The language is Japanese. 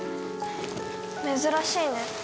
珍しいね。